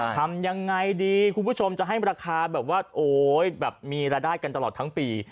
ทำยังไงดีคุณผู้ชมจะให้ราคาแบบว่าโอ๊ยแบบมีรายได้กันตลอดทั้งปี